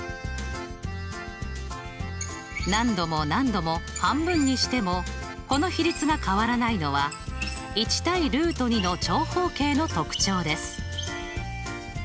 何度も何度も半分にしてもこの比率が変わらないのは１対の長方形の特徴です。